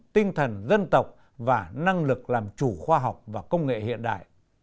tinh thần dân tộc và năng lực làm chủ khoa học và công nghệ hiện đại